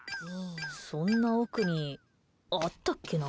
そんな奥にあったっけな？